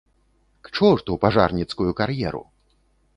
К чорту пажарніцкую кар'еру!